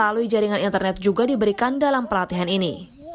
melalui jaringan internet juga diberikan dalam pelatihan ini